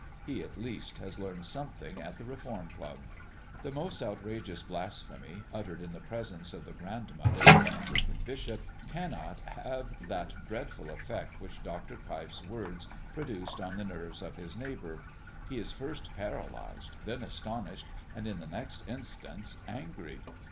He at least has learned something at the Reform Club." The most outrageous blasphemy, uttered in the presence of the grandmother of an Anglican bishop, cannot have that dreadful effect which Dr. Keif's words produced on the nerves of his neighbour. He is first paralysed, then astonished, and in the next instance, angry.